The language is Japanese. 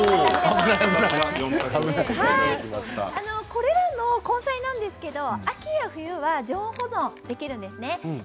これらの根菜ですが秋や冬は常温保存できるんですね。